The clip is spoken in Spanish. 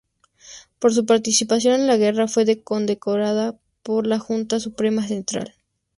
Por su participación en la guerra fue condecorado por la Junta Suprema Central.